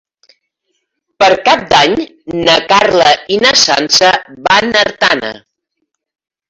Per Cap d'Any na Carla i na Sança van a Artana.